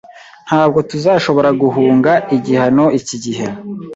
Ntabwo tuzashobora guhunga igihano iki gihe